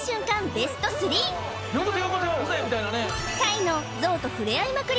ベスト３タイのゾウとふれあいまくり